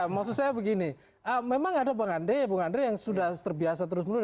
maksud saya begini memang ada bung andri yang sudah terbiasa terus menerus